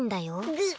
ぐっ！